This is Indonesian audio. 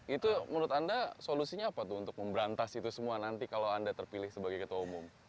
itu menurut anda solusinya apa tuh untuk memberantas itu semua nanti kalau anda terpilih sebagai ketua umum